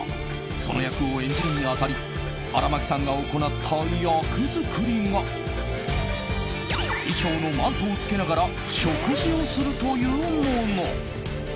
その役を演じるに当たり荒牧さんが行った役作りが衣装のマントを着けながら食事をするというもの。